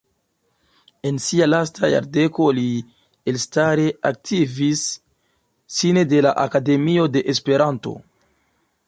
En sia lasta jardeko li elstare aktivis sine de la Akademio de Esperanto.